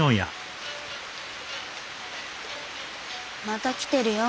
また来てるよ。